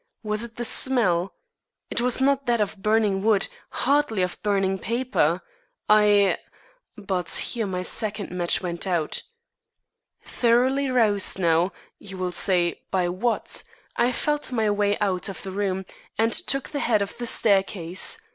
Was it the smell? It was not that of burning wood, hardly of burning paper, I but here my second match went out. Thoroughly roused now (you will say, by what?) I felt my way out of the room and to the head of the staircase.